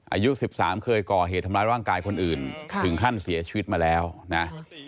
อายุ๑๓เคยก่อเหตุทำร้ายร่างกายคนอื่นถึงขั้นเสียชีวิตมาแล้วนะ